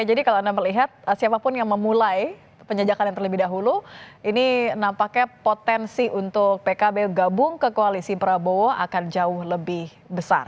jadi kalau anda melihat siapapun yang memulai penyejakan yang terlebih dahulu ini nampaknya potensi untuk pkb gabung ke koalisi prabowo akan jauh lebih besar